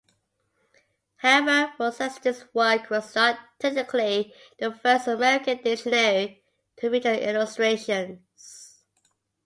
However, Worcester's work was not technically the first American dictionary to feature illustrations.